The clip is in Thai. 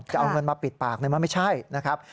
จะเอาเงินมาปิดปากมันไม่ใช่นะครับ